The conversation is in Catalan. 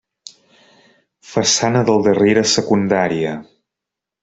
Façana del darrere secundària.